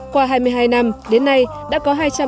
qua hai mươi hai năm đến nay đã có hai trăm hai mươi năm